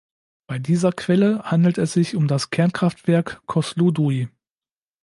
Bei dieser Quelle handelt es sich um das Kernkraftwerk Kosloduj.